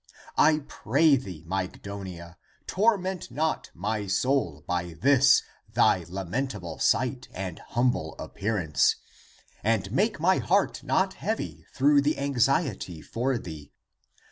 I pray thee, Mygdonia, torment not my soul by this thy lamentable sight and humble appearance, and make my heart not heavy through the anxiety for thee.